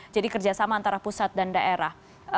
jadi kerjasama antara pusat dan daerah